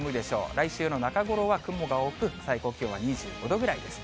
来週の中頃は雲が多く、最高気温は２５度ぐらいです。